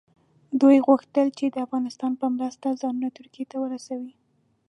دوی غوښتل چې د افغانستان په مرسته ځانونه ترکیې ته ورسوي.